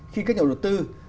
khi các nhà đầu tư